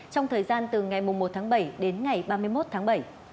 trong thời gian từ ngày một tháng bảy đến ngày ba mươi một tháng bảy